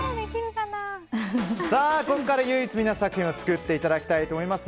ここから唯一無二な作品を作っていただきたいと思います。